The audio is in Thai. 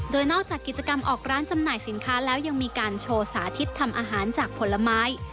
โดยนอกจากกิจกรรมออกร้านจำหน่ายสินค้าแล้วยังมีการโชว์สาธิตทำอาหารจากผลไม้